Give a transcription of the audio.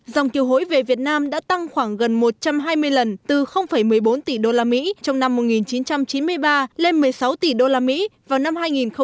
dòng kiều hối về việt nam đã tăng khoảng gần một trăm hai mươi lần từ một mươi bốn tỷ usd trong năm một nghìn chín trăm chín mươi ba lên một mươi sáu tỷ usd vào năm hai nghìn hai mươi